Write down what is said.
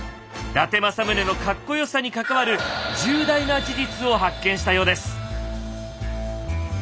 伊達政宗のカッコよさに関わる重大な事実を発見したようです。